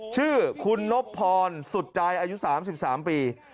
ชื่อคุณนบพรสุดใจอายุ๓๓ปี